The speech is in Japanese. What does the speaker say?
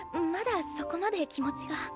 まだそこまで気持ちが。